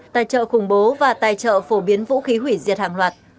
tài trợ khủng bố và tài trợ phổ biến vũ khí hủy diệt hàng loạt